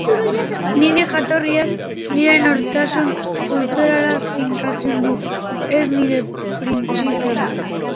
Nire jatorriak nire nortasun kulturala finkatzen du, ez nire printzipioak.